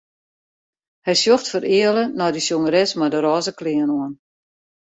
Hy sjocht fereale nei de sjongeres mei de rôze klean oan.